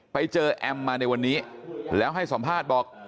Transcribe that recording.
ไปเจอแอมมาในวันนี้แล้วให้สัมภาษณ์บอก